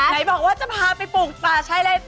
ไหนบอกว่าจะพาไปปลูกต่อใช้อะไร